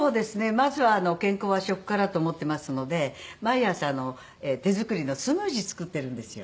まずは健康は食からと思ってますので毎朝手作りのスムージー作ってるんですよ。